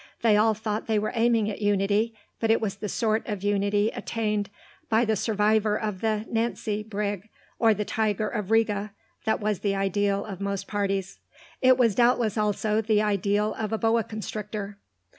They all thought they were aiming at unity, but it was the sort of unity attained by the survivor of the Nancy brig, or the tiger of Riga, that was the ideal of most parties; it was doubtless also the ideal of a boa constrictor.